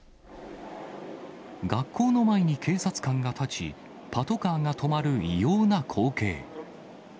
学校の前に警察官が立ち、パトカーが止まる異様な光景。